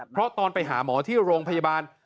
เพราะตอนไปหาหมอที่โรงพยาบาล